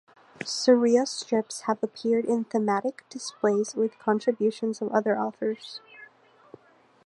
Soria’s strips have appeared in thematic displays with contributions of other authors.